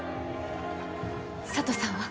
佐都さんは？